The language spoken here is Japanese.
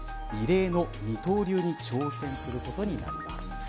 異例の二刀流に挑戦することになります。